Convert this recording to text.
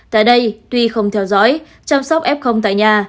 tại đây tuy không theo dõi chăm sóc f tại nhà